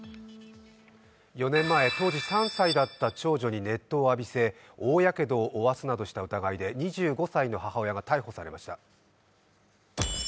４年前、当時３歳だった長女に熱湯を浴びせ、大やけどを負わすなどした疑いで２５歳の母親が逮捕されました。